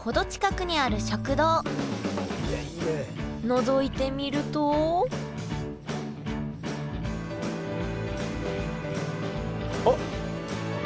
のぞいてみるとあっ！